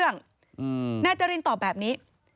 นายจรินตอบแบบนี้